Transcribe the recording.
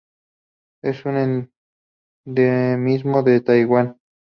Es un endemismo de Taiwán.